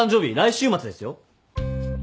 週末ですよ。